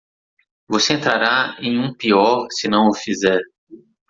Você entrará em um pior se não o fizer.